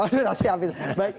oh durasi baik